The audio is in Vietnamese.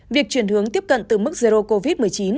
việc chuyển hướng tiếp cận từ mức zero covid một mươi chín